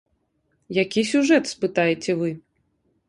Які сюжэт, спытаеце вы?